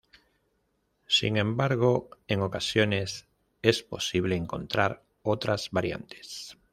Sin embargo, en ocasiones es posible encontrar otras variantes.